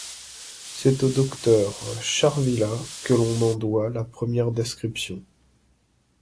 C'est au docteur Charvilhat que l'on en doit la première description.